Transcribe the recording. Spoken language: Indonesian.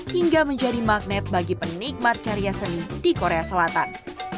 hingga menjadi magnet bagi penikmat karya seni di korea selatan